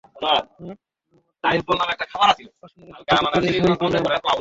কমপক্ষে তোমাদের মতো মোটকু পাষন্ডদের হাত থেকে তো রেহাই পেলাম।